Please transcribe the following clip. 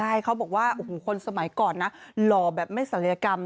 ใช่เขาบอกว่าโอ้โหคนสมัยก่อนนะหล่อแบบไม่ศัลยกรรม